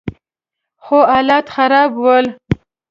خو حالات خراب ول.